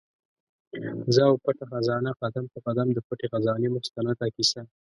زه او پټه خزانه؛ قدم په قدم د پټي خزانې مستنده کیسه